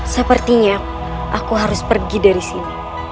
sepertinya aku harus pergi dari sini